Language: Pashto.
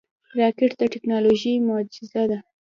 راکټ د ټکنالوژۍ معجزه ده